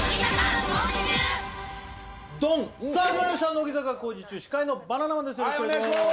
乃木坂工事中司会のバナナマンです